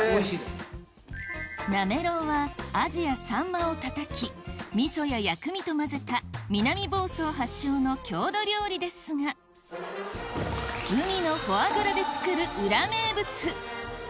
なめろうはアジやサンマをたたき味噌や薬味と混ぜた南房総発祥の郷土料理ですが海のフォアグラ？